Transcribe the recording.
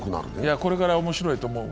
これから面白いと思う。